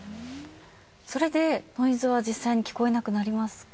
それでノイズは実際に聞こえなくなりますか？